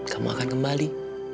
kamu akan kembali